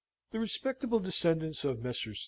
The respectable descendants of Messrs.